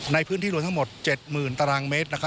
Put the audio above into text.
ในพื้นที่รวมทั้งหมด๗๐๐๐ตารางเมตร